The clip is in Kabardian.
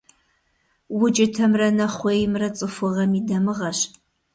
УкIытэмрэ нэхъуеймрэ цIыхугъэм и дамыгъэщ.